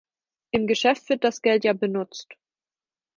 Im Geschäft wird das Geld ja benutzt.